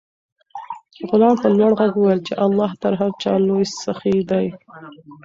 غلام په لوړ غږ وویل چې الله تر هر چا لوی سخي دی.